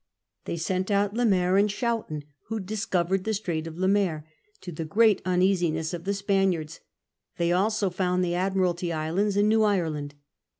They sent out Le Maire and Schouten, who dis covered the Strait of Le Maire, to the great uneasiness of the Spaniards ; they also found the Admiralty Islands and New Ireland.